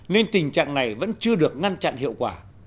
nên tình trạng này vẫn chưa được ngăn chặn hiệu quả